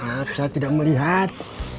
maaf saya tidak melihat